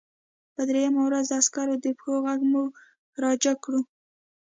په درېیمه ورځ د عسکرو د پښو غږ موږ راجګ کړو